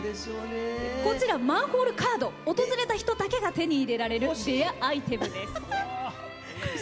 こちら、マンホールカード訪れた人だけが手に入れられるレアアイテムです。